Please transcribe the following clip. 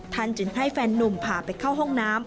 จึงให้แฟนนุ่มพาไปเข้าห้องน้ำ